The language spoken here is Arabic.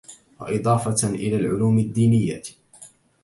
وإضافةً إلى العلوم الدينية،